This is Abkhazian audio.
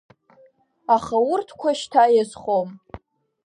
Аха урҭқәа шьҭа иазхом.